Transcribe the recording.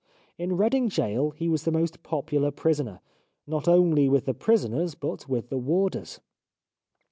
In Reading Gaol he was the most popular prisoner, not only with the prisoners but with the warders.